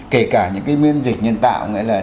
kể cả những miễn dịch nhân tạo